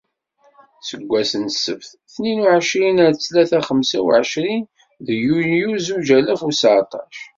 Seg wass n ssebt, tnin u εecrin ar ttlata xemsa u εecrin deg yunyu zuǧ alaf u seεṭac.